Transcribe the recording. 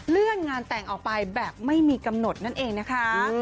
เลื่อนงานแต่งออกไปแบบไม่มีกำหนดนั่นเองนะคะ